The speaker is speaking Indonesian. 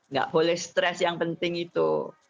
nggak boleh stres yang penting itu